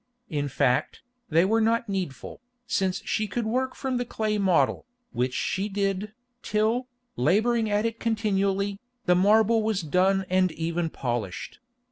In fact, they were not needful, since she could work from the clay model, which she did, till, labouring at it continually, the marble was done and even polished.